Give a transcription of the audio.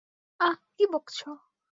আঃ কী বকছ!